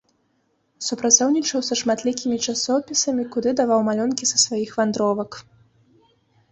Супрацоўнічаў са шматлікімі часопісамі, куды даваў малюнкі са сваіх вандровак.